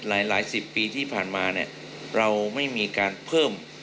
หลายสิบปีที่ผ่านมาเนี่ยเราไม่มีการเพิ่ม